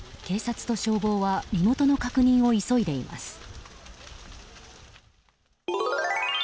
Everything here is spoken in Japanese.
警察と消防は身元の確認を急いでいます。